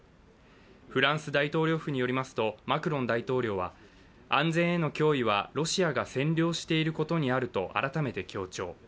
フランス大統領府によりますとマクロン大統領は安全への脅威はロシアが占領していることにあると改めて強調。